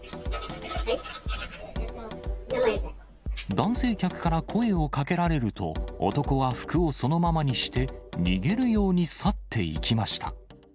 男性客から声をかけられると、男は服をそのままにして、逃げるように去っていきました。